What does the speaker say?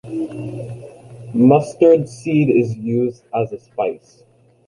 Mustard seed is used as a spice.